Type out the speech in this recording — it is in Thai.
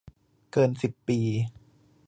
เกินสิบปี